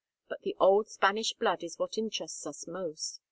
But the old Spanish blood is what interests us most.